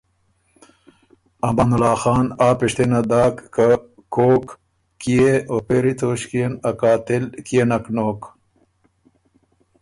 امان الله خان آ پِشتِنه داک که ”کوک، کيې او پېری توݭکيې ن ا قاتل کيې نک نوک هۀ؟“